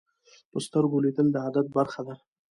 په سترګو لیدل د عادت برخه ده